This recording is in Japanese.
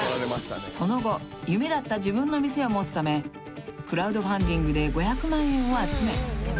［その後夢だった自分の店を持つためクラウドファンディングで５００万円を集め］